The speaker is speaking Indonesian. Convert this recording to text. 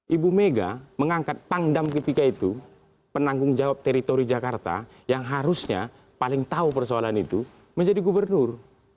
ibu mega mengangkat pangdam ketika itu penanggung jawab teritori jakarta yang harusnya paling tahu persoalan itu menjadi gubernur